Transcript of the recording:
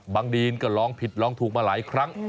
บางดีนก็ลองผิดลองถูกมาหลายครั้ง